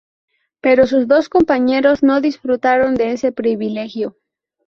Pero sus dos compañeros no disfrutaron de ese privilegio.